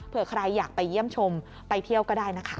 เพื่อใครอยากไปเยี่ยมชมไปเที่ยวก็ได้นะคะ